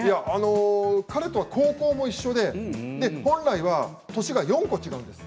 彼とは高校も一緒で本来は、年が４個違うんです。